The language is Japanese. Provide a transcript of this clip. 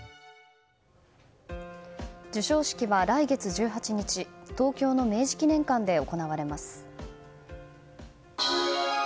授賞式は来月１８日東京の明治記念館で行われます。